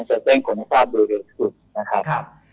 เช่นแจ้งความธรรมดาประโยชน์มือลึกสุดนะครับ